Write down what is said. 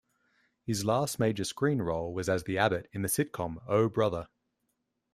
His last major screen role was as the Abbot in the sitcom Oh, Brother!